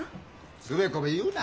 つべこべ言うな！